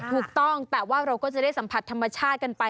ถูกต้องแต่ว่าเราก็จะได้สัมผัสธรรมชาติกันไป